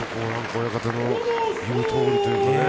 親方の言うとおりというかね。